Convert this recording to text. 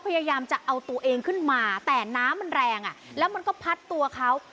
พยายามจะเอาตัวเองขึ้นมาแต่น้ำมันแรงอ่ะแล้วมันก็พัดตัวเขา